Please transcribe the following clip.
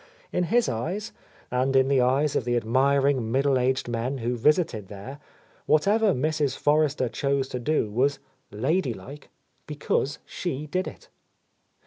In his eyes, and in the eyes of the admiring middle aged men who visited there, whatever Mrs. Forrester cljpse to do was "lady like" because she did it.